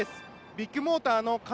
ビッグモーターの兼